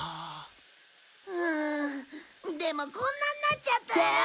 でもこんなになっちゃったよ！